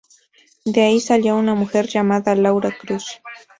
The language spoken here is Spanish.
De ahí salió una mujer llamada "Laura Cruz".